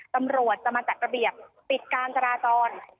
ตำรวจจะมาจัดระเบียบปิดการจราจร